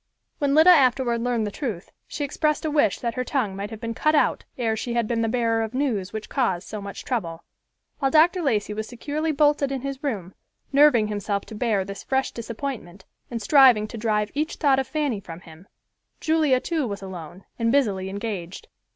When Lida afterward learned the truth, she expressed a wish that her tongue might have been cut out ere she had been the bearer of news which caused so much trouble. While Dr. Lacey was securely bolted in his room, nerving himself to bear this fresh disappointment and striving to drive each thought of Fanny from him, Julia too was alone and busily engaged.